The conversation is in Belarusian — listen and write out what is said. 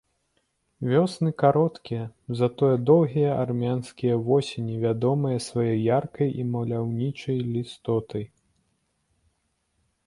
Вёсны кароткія, затое доўгія армянскія восені вядомыя сваёй яркай і маляўнічай лістотай.